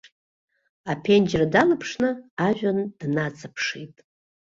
Аԥенџьыр далԥшны, ажәҩан днаҵаԥшит.